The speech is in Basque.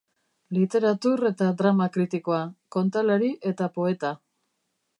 Literatur eta drama kritikoa, kontalari eta poeta.